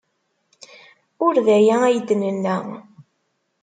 Ur d aya ay d-nenna.